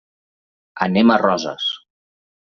Anem a Roses.